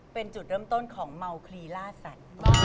เป็นจุดเริ่มต้นของเมาคลีล่าสัตว์